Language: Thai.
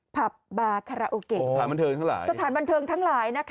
ถามสถานบันเทิงทั้งหลาย